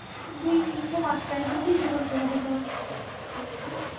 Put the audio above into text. দুই ভিন্ন মাত্রায় দুটি জীবন প্রবাহিত হচ্ছে।